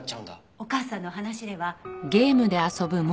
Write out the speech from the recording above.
お母さんの話では。